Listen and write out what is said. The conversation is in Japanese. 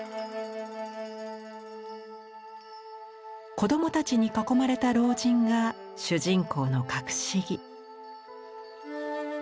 子供たちに囲まれた老人が主人公の郭子儀。